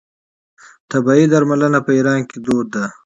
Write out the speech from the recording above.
طبیعي درملنه په ایران کې دود ده.